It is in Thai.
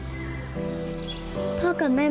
พ่อกับแม่ไม่ต้องขอโทษนะลูก